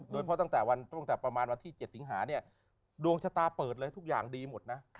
โดยเพราะตั้งแต่ประมาณวันที่๗สิงหาเนี่ยดวงชะตาเปิดเลยทุกอย่างดีหมดนะ